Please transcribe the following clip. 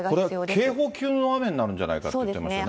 これは警報級の雨になるんじゃないかって言ってましたよね。